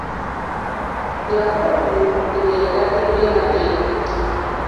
Yakola omulimu mu ngeri ya gadibengalye.